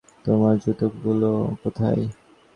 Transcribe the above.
তোমার জুতোগুলো কোথায়?